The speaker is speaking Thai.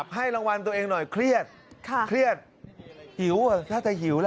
ให้รางวัลตัวเองหน่อยเครียดเครียดหิวน่าจะหิวล่ะ